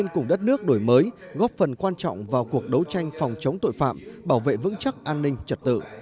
cùng đất nước đổi mới góp phần quan trọng vào cuộc đấu tranh phòng chống tội phạm bảo vệ vững chắc an ninh trật tự